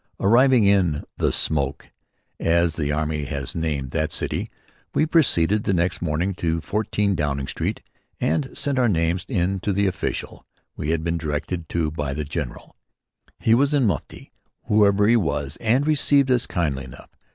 Arriving in "The Smoke," as the army has named that city, we proceeded the next morning to 14 Downing Street and sent our names in to the official we had been directed to by the general. He was in mufti, whoever he was, and received us kindly enough.